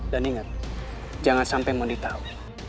dan ingat jangan sampai mondi tau